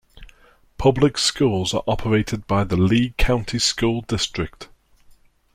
Public schools are operated by the Lee County School District.